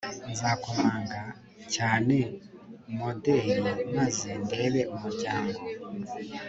Nzakomanga cyanemoderi maze ndebe umuryango